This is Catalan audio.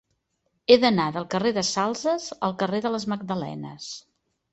He d'anar del carrer de Salses al carrer de les Magdalenes.